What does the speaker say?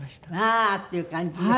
ああー！っていう感じで？